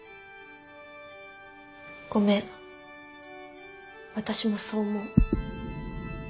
ごめん私もそう思う。